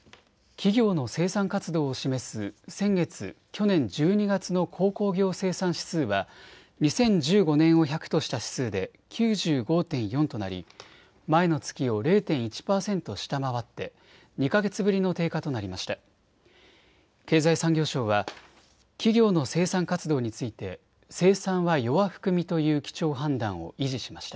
企業の生産活動を示す先月、去年１２月の鉱工業生産指数は２０１５年を１００とした指数で９５．４となり前の月を０．１％下回って２か月ぶりの低下となりました。